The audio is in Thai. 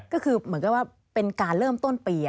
ก็คือเหมือนกับว่าเป็นการเริ่มต้นปี